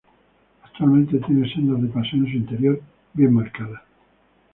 Actualmente tiene sendas de paseo en su interior bien marcadas.